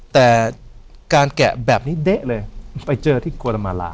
แต่การแกะแบบนี้เด๊ะเลยไปเจอที่กวนมาลา